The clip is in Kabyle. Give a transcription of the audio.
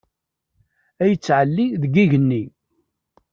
Ad yettɛelli deg igenni.